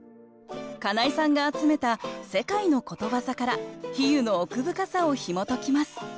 金井さんが集めた世界のことわざから比喩の奥深さをひもときます